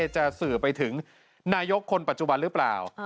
จะสื่อไปถึงนายกคนปัจจุบันหรือเปล่า